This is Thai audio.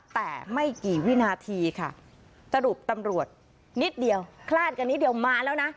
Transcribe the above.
แต่ไม่กี่วินาทีค่ะสรุปตำรวจนิดเดียวคลาดกันนิดเดียวมาแล้วนะ